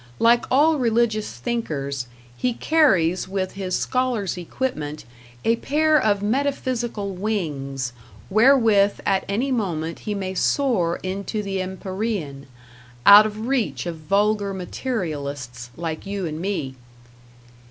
Like all religious thinkers, he carries with his scholar's equipment a pair of metaphysical wings, wherewith at any moment he may soar into the empyrean, out of reach of vulgar materialists, like you and me.